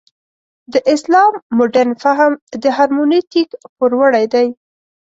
د اسلام مډرن فهم د هرمنوتیک پوروړی دی.